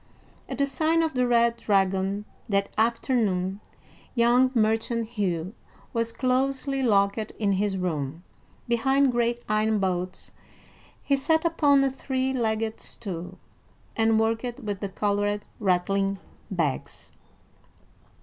At the sign of the Red Dragon that afternoon, young merchant Hugh was closely locked in his room. Behind great iron bolts he sat upon a three legged stool, and worked with the colored, rattling bags.